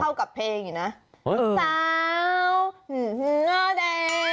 เท่ากับเพลงอยู่นะ